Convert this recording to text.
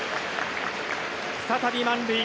再び満塁。